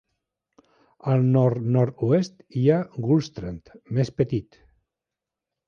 Al nord-nord-oest hi ha Gullstrand, més petit.